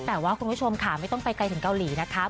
แต่ว่าคุณผู้ชมค่ะไม่ต้องไปไกลถึงเกาหลีนะคะ